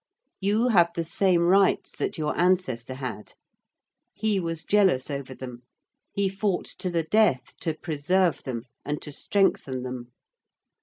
You have the same rights that your ancestor had. He was jealous over them: he fought to the death to preserve them and to strengthen them.